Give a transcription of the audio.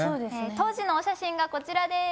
当時のお写真がこちらです。